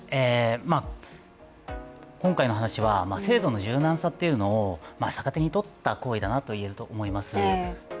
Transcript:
今回の話は制度の柔軟さっていうのを逆手に取った行為だなと言えると思います。